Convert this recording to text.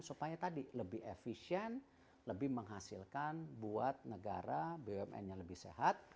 supaya tadi lebih efisien lebih menghasilkan buat negara bumn nya lebih sehat